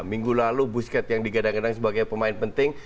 minggu lalu busket yang digadang gadang sebagai pemain penting